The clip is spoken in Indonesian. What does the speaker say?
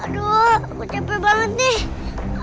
aduh aku capek banget nih